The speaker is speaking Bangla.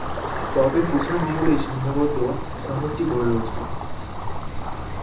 তবে কুষাণ আমলেই সম্ভবত শহরটি গড়ে ওঠে।